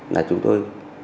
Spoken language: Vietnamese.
là chúng tôi